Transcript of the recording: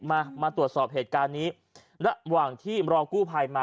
มามาตรวจสอบเหตุการณ์นี้ระหว่างที่รอกู้ภัยมา